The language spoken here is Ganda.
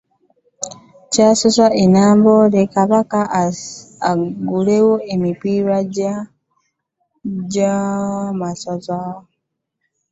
Kyasusse e Namboole nga Kabaka aggalawo emipiira gy'amasaza.